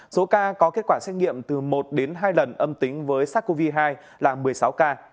số ca có kết quả xét nghiệm từ một đến hai lần âm tính với sars cov hai là một mươi sáu ca